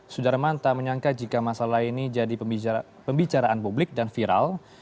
sudarman tak menyangka jika masalah ini jadi pembicaraan publik dan viral